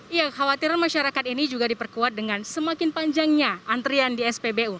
ya khawatiran masyarakat ini juga diperkuat dengan semakin panjangnya antrian di spbu